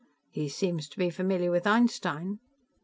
"He seems to be familiar with Einstein."